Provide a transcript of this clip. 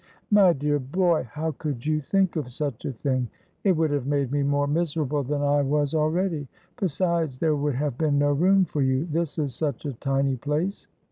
"My dear boy, how could you think of such a thing? It would have made me more miserable than I was already; besides, there would have been no room for you, this is such a tiny place.